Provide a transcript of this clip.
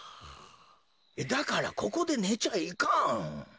だからここでねちゃいかん。